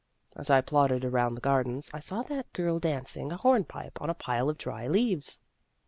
As I plodded around the gardens, I saw that girl dan cing a horn pipe on a pile of dry leaves.